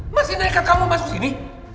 masih naik kartu kamu masuk sini